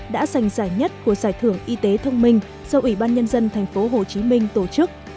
đã giành giải nhất của giải thưởng y tế thông minh do ủy ban nhân dân tp hcm tổ chức